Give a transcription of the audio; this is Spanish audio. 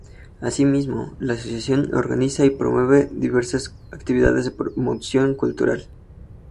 Asimismo, la Asociación organiza y promueve diversas actividades de promoción cultural.